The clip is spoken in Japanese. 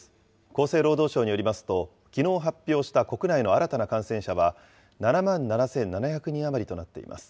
厚生労働省によりますと、きのう発表した国内の新たな感染者は７万７７００人余りとなっています。